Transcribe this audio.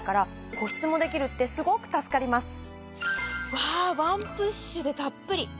うわぁワンプッシュでたっぷり。